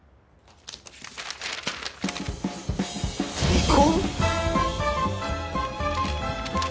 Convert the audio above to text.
離婚！？